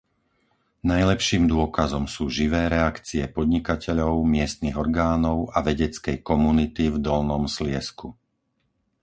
Najlepším dôkazom sú živé reakcie podnikateľov, miestnych orgánov a vedeckej komunity v Dolnom Sliezsku.